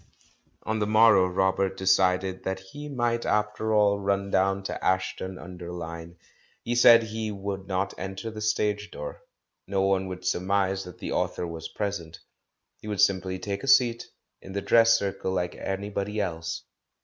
On the morrow Robert decided that he might, after all, run down to Ashton under Lyne. He said he would not enter the stage door, no one should surmise that the author was present; he would simply take a seat in the dress circle like anybody else.